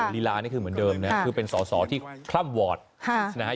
ลีลานี่คือเหมือนเดิมคือเป็นสหสอที่คล่เราะ